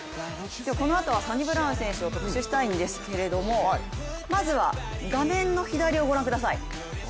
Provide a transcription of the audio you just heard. このあとはサニブラウン選手を特集したいんですけれども、まずは画面の左をご覧ください。